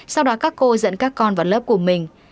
sau đó các cô dẫn các con vào lớp của mình